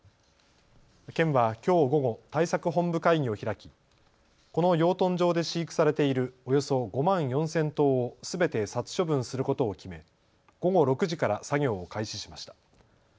県はきょう午後、対策本部会議を開き、この養豚場で飼育されているおよそ５万４０００頭をすべて殺処分することを決め午後６時から作業を開始しました。